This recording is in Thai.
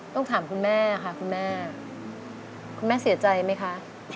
ต้องถามคุณแม่ค่ะคุณแม่คุณแม่เสียใจไหมคะ